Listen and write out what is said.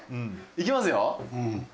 「いきますよ」